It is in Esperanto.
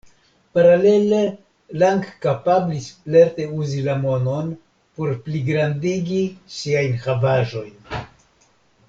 Paralele Lang kapablis lerte uzi la monon por pligrandigi siajn havaĵojn.